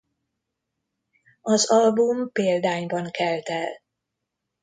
Az album példányban kelt el.